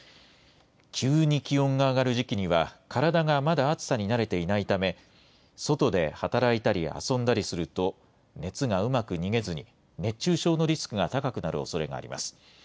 急に気温が上がる時期には、体がまだ暑さに慣れていないため、外で働いたり遊んだりすると、熱がうまく逃げずに、熱中症のリスクが高くなるおそれがあります。